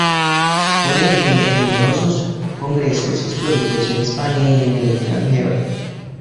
Ponente en numerosos congresos históricos en España y el extranjero.